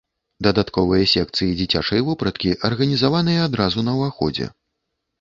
Дадатковыя секцыі дзіцячай вопраткі арганізаваныя адразу на ўваходзе.